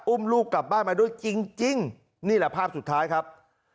ลูกกลับบ้านมาด้วยจริงนี่แหละภาพสุดท้ายครับ